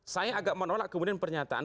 saya agak menolak kemudian pernyataan